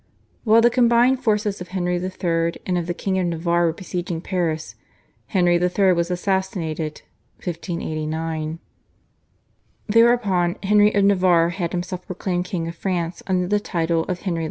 While the combined forces of Henry III. and of the King of Navarre were besieging Paris, Henry III. was assassinated (1589). Thereupon Henry of Navarre had himself proclaimed King of France under the title of Henry IV.